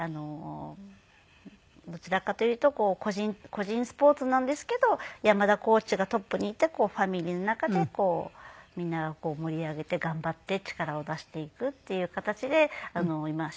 どちらかというと個人スポーツなんですけど山田コーチがトップにいてファミリーの中でみんなが盛り上げて頑張って力を出していくっていう形でやってきました。